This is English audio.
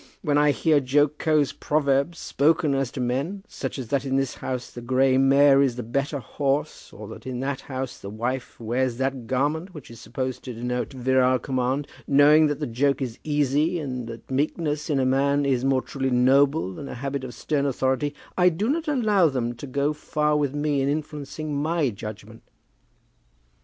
When I hear jocose proverbs spoken as to men, such as that in this house the gray mare is the better horse, or that in that house the wife wears that garment which is supposed to denote virile command, knowing that the joke is easy, and that meekness in a man is more truly noble than a habit of stern authority, I do not allow them to go far with me in influencing my judgment."